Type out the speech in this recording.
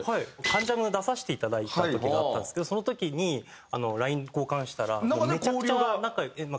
『関ジャム』出させていただいた時があったんですけどその時にＬＩＮＥ交換したらめちゃくちゃ仲良く。